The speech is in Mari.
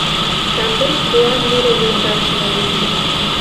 Санден куан муро йоҥга чыла вечын